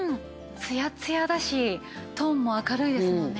ツヤツヤだしトーンも明るいですもんね。